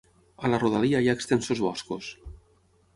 A la rodalia hi ha extensos boscos.